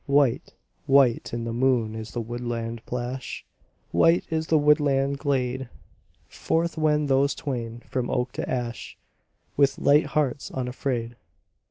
White, white in the moon is the woodland plash, White is the woodland glade, Forth wend those twain, from oak to ash, With light hearts unafraid.